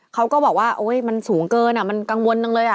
เขาก็บอกว่าโอ๊ยมันสูงเกินมันกังวลจังเลย